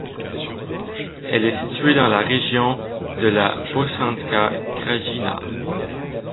Elle est située dans la région de la Bosanska Krajina.